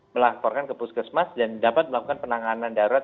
melaporkan ke puskesmas dan dapat melakukan penanganan darurat